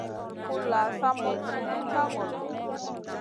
Kulʼla sa moɗ sumun ka ŋolo.